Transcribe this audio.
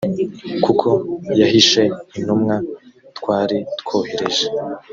kuko yahishe intumwa twari twohereje.